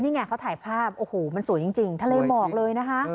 นี่ไงเขาถ่ายภาพโอ้โหมันสวยจริงทะเลหมอกเลยนะคะ